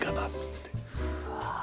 って。